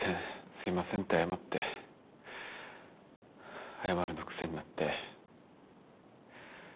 すいませんって謝って謝るの癖になって。